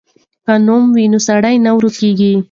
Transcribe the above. که نوم وي نو سړی نه ورکېږي.